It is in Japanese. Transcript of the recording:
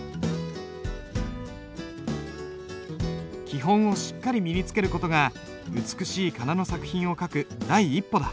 基本をしっかり身につける事が美しい仮名の作品を書く第一歩だ。